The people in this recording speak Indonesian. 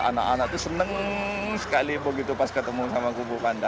anak anak itu seneng sekali begitu pas ketemu sama kubu panda